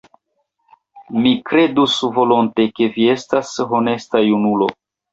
Mi kredus volonte, ke vi estas honesta junulo.